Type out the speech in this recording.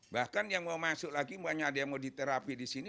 bahkan yang mau masuk lagi banyak ada yang mau diterapi di sini